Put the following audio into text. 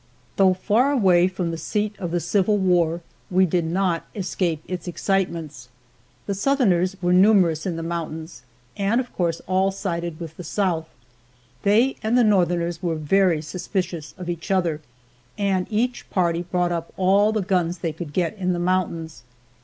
Though far away from the seat of the civil war we did not escape its excitements. The Southerners were numerous in the mountains, and of course all sided with the South. They and the Northerners were very suspicious of each other, and each party bought up all the guns they could get in the mountains.